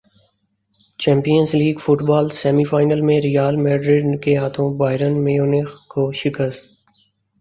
champions league football semi final میں Real Madrid کے ہاتھوں بائرن میونخ کو شکست